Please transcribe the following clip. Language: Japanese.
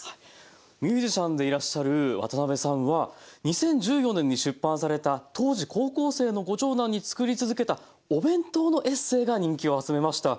ミュージシャンでいらっしゃる渡辺さんは２０１４年に出版された当時高校生のご長男に作り続けたお弁当のエッセイが人気を集めました。